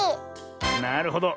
なるほど。